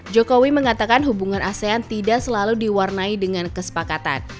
jokowi mengatakan hubungan asean tidak selalu diwarnai dengan kesepakatan